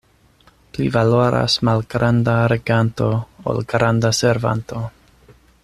Pli valoras malgranda reganto, ol granda servanto.